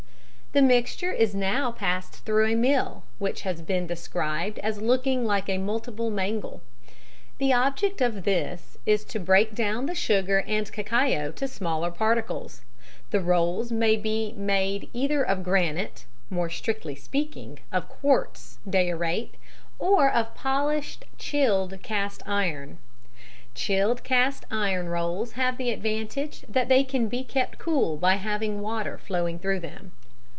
_ The mixture is now passed through a mill, which has been described as looking like a multiple mangle. The object of this is to break down the sugar and cacao to smaller particles. The rolls may be made either of granite (more strictly speaking, of quartz diorite) or of polished chilled cast iron. Chilled cast iron rolls have the advantage that they can be kept cool by having water flowing through them.